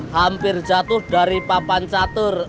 hampir jatuh dari papan catur